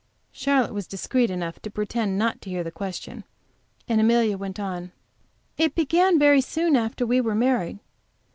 Charlotte was discreet enough to pretend not to hear this question, and Amelia went on: "It began very soon after we were married.